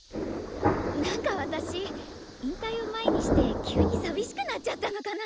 なんか私引退を前にして急に寂しくなっちゃったのかな？